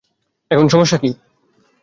এখন সমস্যা কি?